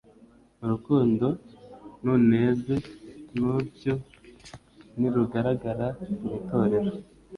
Urukundo nuneze rutyo nirugaragara mu itorero,